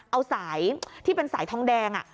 เอาสายที่เป็นสายทองแดง